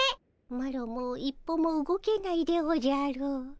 マロもう一歩も動けないでおじゃる。